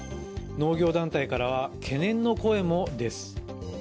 農業団体からは懸念の声も、です。